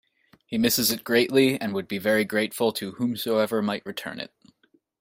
He misses it greatly and would be very grateful to whomsoever might return it.